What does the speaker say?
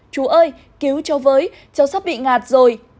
chú ơi cứu cháu với cháu sắp bị ngạt rồi